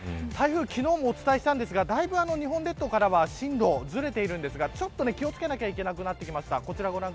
昨日もお伝えしたんですがだいぶ日本列島から進路がずれているんですがちょっと気を付けなければいけなくなってきました。